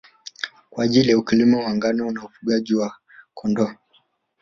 kwa ajili ya ukulima wa ngano na ufugaji wa Kondoo